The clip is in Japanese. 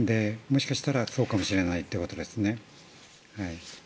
もしかしたらそうかもしれないということですね。